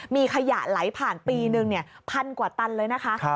มีขยะไหลผ่านปีหนึ่งพันกว่าตันเลยนะคะ